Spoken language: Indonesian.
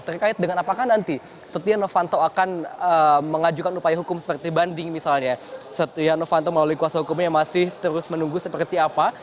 terkait dengan apakah nanti setia novanto akan mengajukan upaya hukum seperti banding misalnya setia novanto melalui kuasa hukumnya masih terus menunggu seperti apa